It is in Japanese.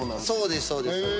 そうですそうです。